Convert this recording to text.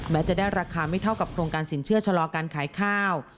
จะได้ราคาไม่เท่ากับโครงการสินเชื่อชะลอการขายข้าว